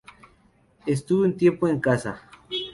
Estuve un tiempo en casa.